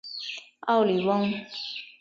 奥里翁。